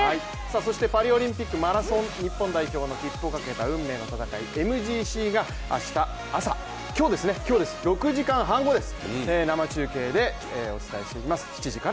そしてパリオリンピックマラソン日本代表の切符をかけた運命の戦い、ＭＧＣが今日です、６時半後です。